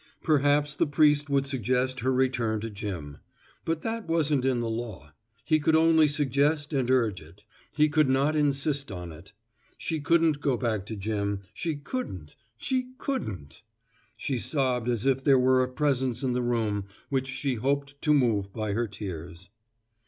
Perhaps the priest would suggest her return to Jim. But that wasn't in the law. He could only suggest and urge it. He could not insist on it. She couldn't go back to Jim, she couldn't, she couldn't. She sobbed as if there were a presence in the room which she hoped to move by her tears.